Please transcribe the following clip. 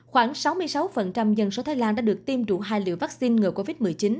khoảng sáu mươi sáu dân số thái lan đã được tiêm đủ hai liều vaccine ngừa covid một mươi chín